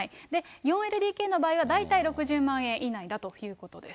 ４ＬＤＫの場合は、大体６０万円以内だということです。